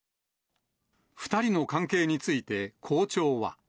２人の関係について、校長は。